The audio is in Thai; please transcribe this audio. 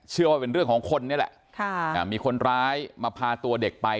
เชื่อว่าเป็นเรื่องของคนนี่แหละมีคนร้ายมาพาตัวเด็กไป